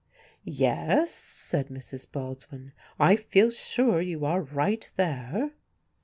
"Yes," said Mrs. Baldwin, "I feel sure you are right there."